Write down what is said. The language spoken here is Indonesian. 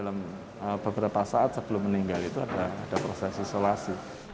dalam beberapa saat sebelum meninggal itu ada proses isolasi